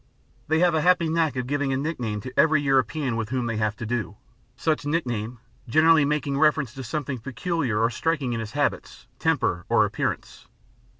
They have a happy knack of giving a nickname to every European with whom they have to do, such nickname generally making reference to something peculiar or striking in his habits, temper, or appearance.